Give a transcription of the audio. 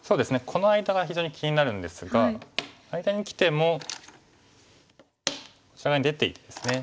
この間が非常に気になるんですが間にきてもこちら側に出ていってですね。